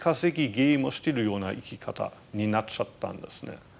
ゲームをしてるような生き方になっちゃったんですね。